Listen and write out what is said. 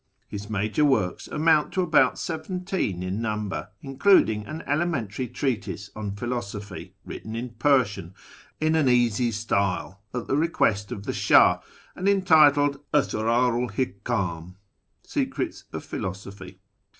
His major works amount to about seventeen in number, includ ing an elementary treatise on philosophy, written in Persian, in an easy style, at the request of the Sluih, and entitled Asrdrul Hikam (Secrets of I'hilosophy).